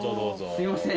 すいません。